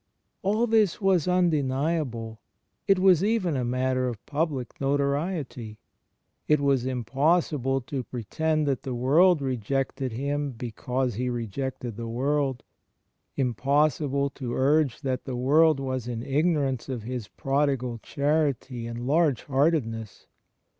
All this was undeniable; it was even a matter of public notoriety. It was impossible to pretend that the world rejected Him because He rejected the world — impossible to urge that the world was in ignorance of His prodigal charity and large heartedness.